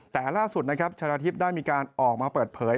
แต่ล่าสุดชาญาทิพย์ได้มีการออกมาเปิดเผย